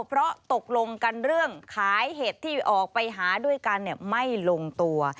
เพราะตกลงกันเรื่องขายเห็ดที่ออกไปหาด้วยกันไม่ลงตัว